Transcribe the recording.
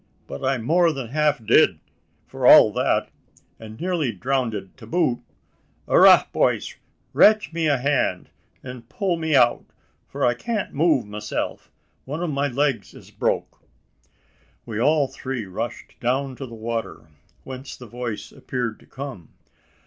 But I'm more than half did, for all that; an' nearly drownded to boot. Arrah, boys! rache me a hand, an' pull me out for I can't move meself one of my legs is broke." We all three rushed down to the water whence the voice appeared to come.